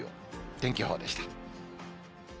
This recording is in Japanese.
天気予報でした。